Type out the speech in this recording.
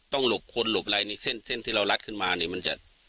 ต้องหลบคนหลบอะไรนี่เส้นเส้นที่เราลัดขึ้นมานี่มันจะ